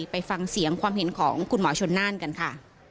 ไปฟังเสียงความเห็นของคุณหมอชนน่านกันค่ะ